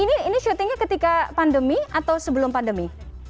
ini syutingnya ketika pandemi atau sebelum pandemi